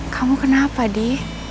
kamu kenapa di